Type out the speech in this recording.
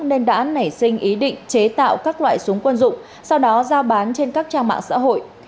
nên đã nảy sinh ý định chế tạo các loại súng quân dụng sau đó giao bán trên các trang mạng xã hội